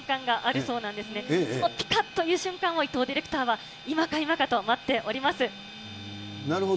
そのぴかっという瞬間をいとうディレクターは今か今かと待っておなるほど。